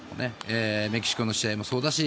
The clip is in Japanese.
メキシコの試合もそうだし